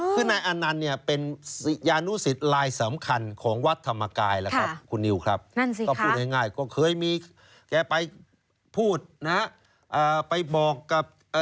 อ้อคือนายอันนันเนี่ยเป็นยานุสิตลายสำคัญของวัดธรรมกายครับคุณนิวครับ